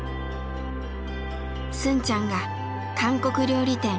スンちゃんが韓国料理店